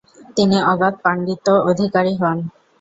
তিনি অগাধ পাণ্ডিত্য অধিকারী হন।